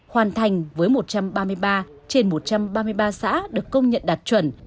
hoàn thành với một trăm ba mươi ba trên một trăm ba mươi ba xã được công nhận đạt chuẩn